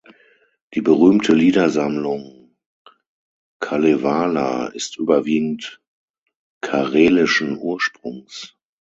Die berühmte Liedersammlung Kalevala ist überwiegend karelischen Ursprungs.